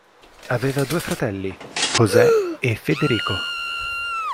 Aveva due fratelli: Josè e Federico.